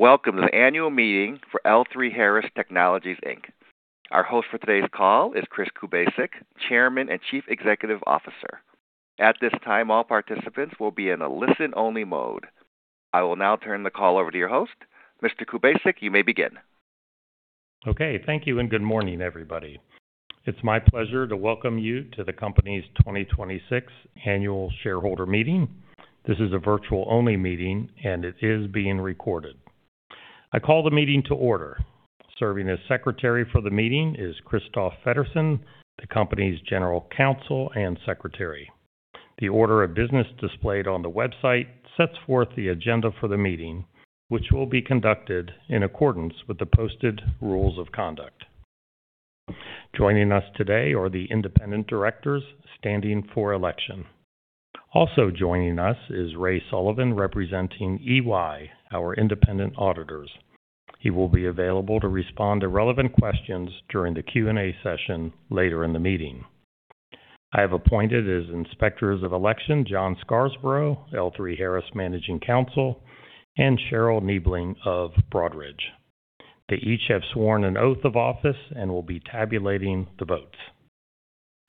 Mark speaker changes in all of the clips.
Speaker 1: Welcome to the annual meeting for L3Harris Technologies, Inc. Our host for today's call is Christopher Kubasik, Chairman and Chief Executive Officer. At this time, all participants will be in a listen-only mode. I will now turn the call over to your host. Mr. Kubasik, you may begin.
Speaker 2: Okay. Thank you, and good morning, everybody. It's my pleasure to welcome you to the company's 2026 Annual Shareholder Meeting. This is a virtual-only meeting, and it is being recorded. I call the meeting to order. Serving as Secretary for the meeting is Christoph Feddersen, the company's General Counsel and Secretary. The order of business displayed on the website sets forth the agenda for the meeting, which will be conducted in accordance with the posted rules of conduct. Joining us today are the independent directors standing for election. Also joining us is Ray Sullivan, representing EY, our independent auditors. He will be available to respond to relevant questions during the Q&A session later in the meeting. I have appointed as Inspectors of Election, John Scarsbrook, L3Harris Managing Counsel, and Cheryl Niebling of Broadridge. They each have sworn an oath of office and will be tabulating the votes.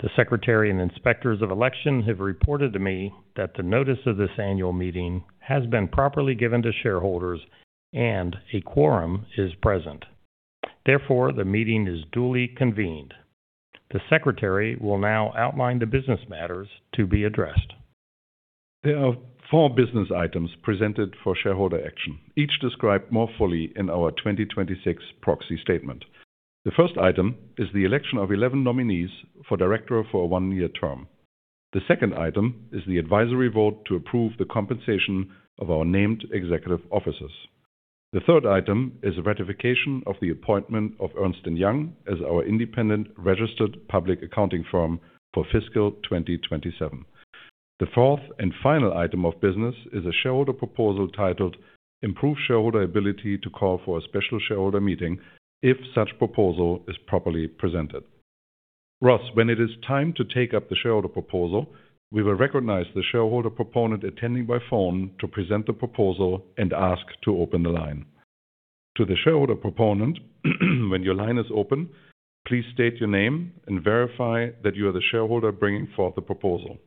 Speaker 2: The Secretary and Inspectors of Election have reported to me that the notice of this annual meeting has been properly given to shareholders and a quorum is present. Therefore, the meeting is duly convened. The Secretary will now outline the business matters to be addressed.
Speaker 3: There are four business items presented for shareholder action, each described more fully in our 2026 proxy statement. The first item is the election of 11 nominees for director for a one-year term. The second item is the advisory vote to approve the compensation of our named executive officers. The third item is a ratification of the appointment of EY as our independent registered public accounting firm for fiscal 2027. The fourth and final item of business is a shareholder proposal titled Improve Shareholder Ability to Call for a Special Shareholder Meeting if such proposal is properly presented. Ross, when it is time to take up the shareholder proposal, we will recognize the shareholder proponent attending by phone to present the proposal and ask to open the line. To the shareholder proponent, when your line is open, please state your name and verify that you are the shareholder bringing forth the proposal.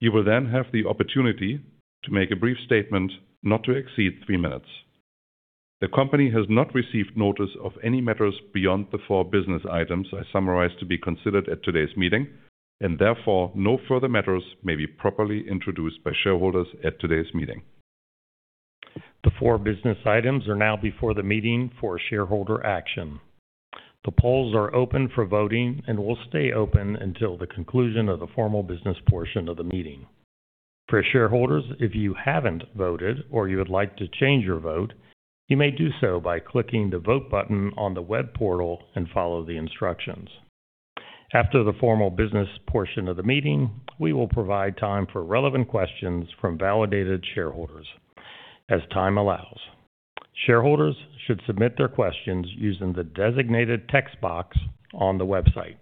Speaker 3: You will then have the opportunity to make a brief statement not to exceed three minutes. The company has not received notice of any matters beyond the four business items I summarized to be considered at today's meeting, and therefore, no further matters may be properly introduced by shareholders at today's meeting.
Speaker 2: The four business items are now before the meeting for shareholder action. The polls are open for voting and will stay open until the conclusion of the formal business portion of the meeting. For shareholders, if you haven't voted or you would like to change your vote, you may do so by clicking the Vote button on the web portal and follow the instructions. After the formal business portion of the meeting, we will provide time for relevant questions from validated shareholders as time allows. Shareholders should submit their questions using the designated text box on the website.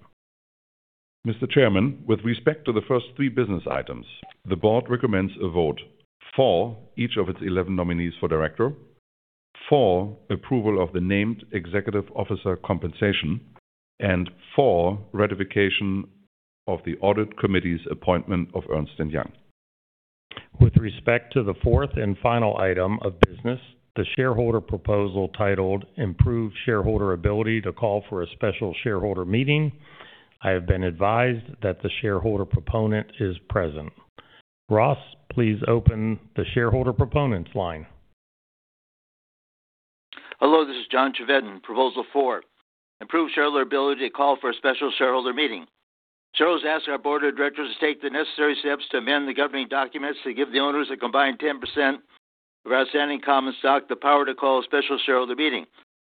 Speaker 3: Mr. Chairman, with respect to the first three business items, the board recommends a vote for each of its 11 nominees for director, for approval of the named executive officer compensation, and for ratification of the audit committee's appointment of Ernst & Young.
Speaker 2: With respect to the fourth and final item of business, the shareholder proposal titled Improve Shareholder Ability to Call for a Special Shareholder Meeting, I have been advised that the shareholder proponent is present. Ross, please open the shareholder proponent's line.
Speaker 4: Hello, this is John Chevedden, Proposal Four, Improve Shareholder Ability to Call for a Special Shareholder Meeting. Shareholders ask our board of directors to take the necessary steps to amend the governing documents to give the owners a combined 10% of outstanding common stock the power to call a special shareholder meeting.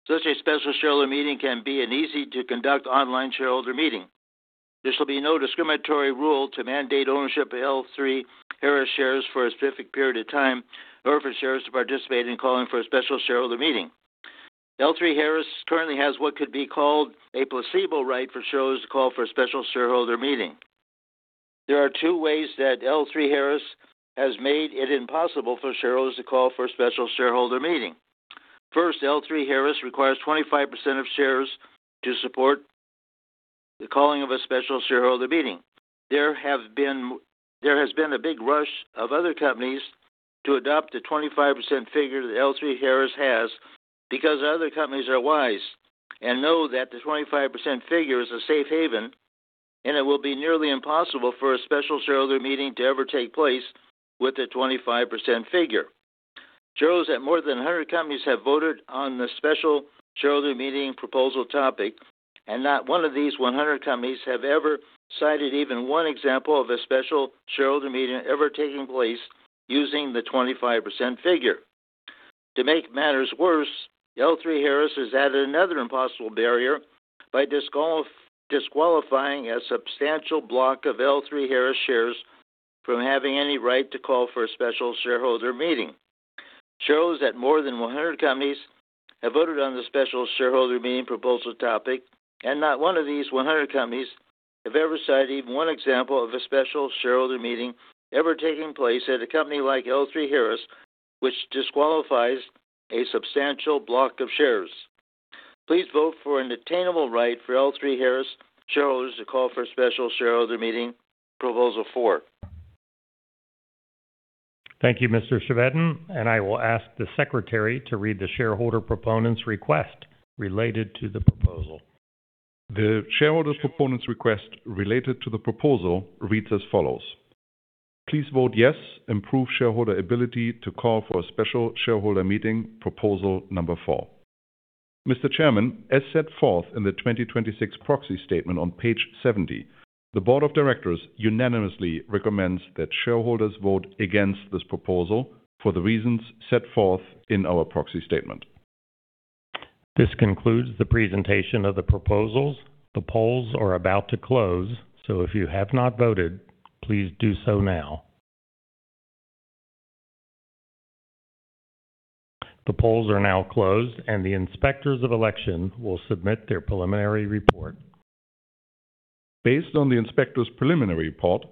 Speaker 4: Such a special shareholder meeting can be an easy-to-conduct online shareholder meeting. There shall be no discriminatory rule to mandate ownership of L3Harris shares for a specific period of time or for shares to participate in calling for a special shareholder meeting. L3Harris currently has what could be called a placebo right for shareholders to call for a special shareholder meeting. There are two ways that L3Harris has made it impossible for shareholders to call for a special shareholder meeting. First, L3Harris requires 25% of shares to support the calling of a special shareholder meeting. There has been a big rush of other companies to adopt the 25% figure that L3Harris has because other companies are wise and know that the 25% figure is a safe haven, and it will be nearly impossible for a special shareholder meeting to ever take place with the 25% figure. Shareholders at more than 100 companies have voted on the special shareholder meeting proposal topic, and not 1 of these 100 companies have ever cited even 1 example of a special shareholder meeting ever taking place using the 25% figure. To make matters worse, L3Harris has added another impossible barrier by disqualifying a substantial block of L3Harris shares from having any right to call for a special shareholder meeting. Shareholders at more than 100 companies have voted on the special shareholder meeting proposal topic. Not one of these 100 companies have ever cited one example of a special shareholder meeting ever taking place at a company like L3Harris, which disqualifies a substantial block of shares. Please vote for an attainable right for L3Harris shareholders to call for a special shareholder meeting. Proposal 4.
Speaker 2: Thank you, Mr. Chevedden. I will ask the secretary to read the shareholder proponents request related to the proposal.
Speaker 3: The shareholder proponents request related to the proposal reads as follows. Please vote yes Improve Shareholder Ability to Call for a Special Shareholder Meeting proposal number 4. Mr. Chairman, as set forth in the 2026 proxy statement on page 70, the board of directors unanimously recommends that shareholders vote against this proposal for the reasons set forth in our proxy statement.
Speaker 2: This concludes the presentation of the proposals. The polls are about to close. If you have not voted, please do so now. The polls are now closed, and the inspectors of election will submit their preliminary report.
Speaker 3: Based on the inspector's preliminary report,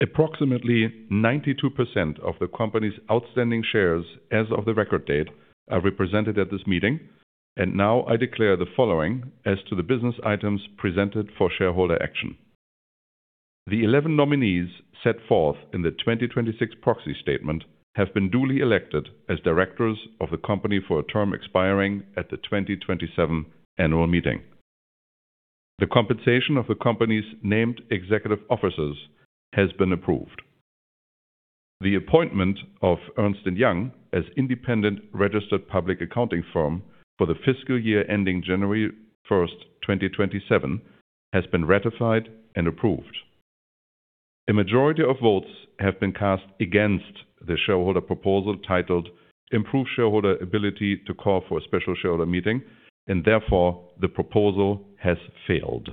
Speaker 3: approximately 92% of the company's outstanding shares as of the record date are represented at this meeting. Now I declare the following as to the business items presented for shareholder action. The 11 nominees set forth in the 2026 proxy statement have been duly elected as directors of the company for a term expiring at the 2027 annual meeting. The compensation of the company's named executive officers has been approved. The appointment of Ernst & Young as independent registered public accounting firm for the fiscal year ending January 1, 2027, has been ratified and approved. A majority of votes have been cast against the shareholder proposal titled Improve Shareholder Ability to Call for a Special Shareholder Meeting, therefore the proposal has failed.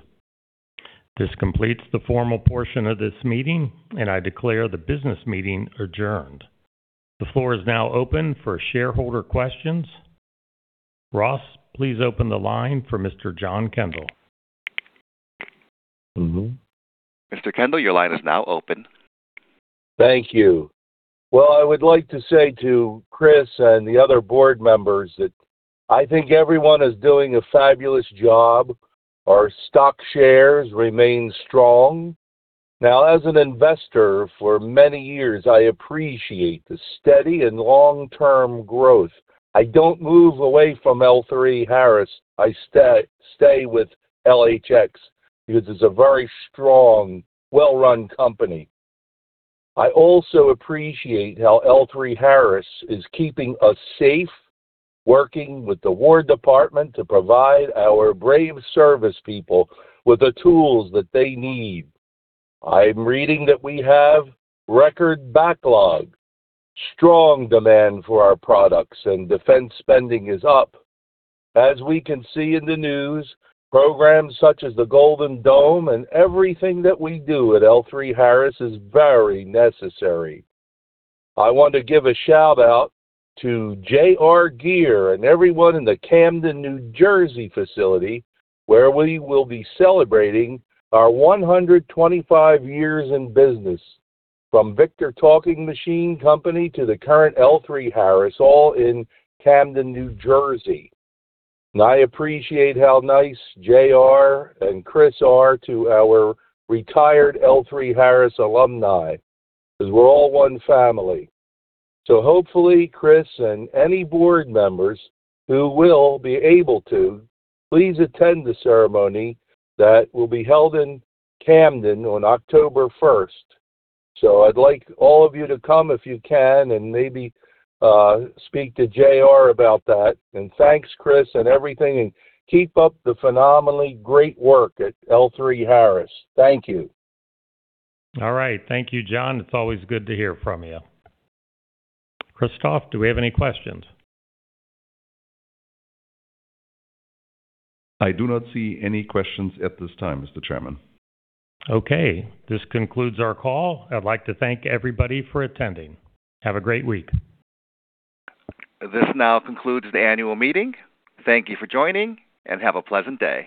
Speaker 2: This completes the formal portion of this meeting. I declare the business meeting adjourned. The floor is now open for shareholder questions. Ross, please open the line for Mr. John Kendall.
Speaker 1: Mr. Kendall, your line is now open.
Speaker 5: Thank you. Well, I would like to say to Chris and the other board members that I think everyone is doing a fabulous job. Our stock shares remain strong. Now, as an investor for many years, I appreciate the steady and long-term growth. I don't move away from L3Harris. I stay with LHX because it's a very strong, well-run company. I also appreciate how L3Harris is keeping us safe, working with the War Department to provide our brave service people with the tools that they need. I'm reading that we have record backlog, strong demand for our products, and defense spending is up. As we can see in the news, programs such as the Golden Dome and everything that we do at L3Harris is very necessary. I want to give a shout-out to JR Gere and everyone in the Camden, New Jersey facility, where we will be celebrating our 125 years in business, from Victor Talking Machine Company to the current L3Harris, all in Camden, New Jersey. I appreciate how nice JR and Chris are to our retired L3Harris alumni, 'cause we're all one family. Hopefully, Chris and any board members who will be able to please attend the ceremony that will be held in Camden on October 1st. I'd like all of you to come if you can and maybe speak to JR about that. Thanks, Chris, and everything, and keep up the phenomenally great work at L3Harris. Thank you.
Speaker 2: All right. Thank you, John. It's always good to hear from you. Christoph, do we have any questions?
Speaker 3: I do not see any questions at this time, Mr. Chairman.
Speaker 2: Okay. This concludes our call. I'd like to thank everybody for attending. Have a great week.
Speaker 1: This now concludes the annual meeting. Thank you for joining, and have a pleasant day.